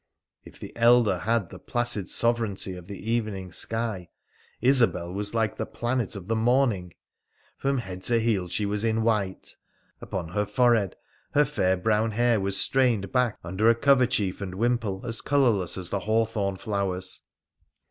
If the elder had the placid sovereignty of the evening star, Isobel was like the planet of the morning. From head to heel she was in white. Upon her forehead her fair brown hair was strained back under a coverchief and wimple as colourless as the haw thorn flowers.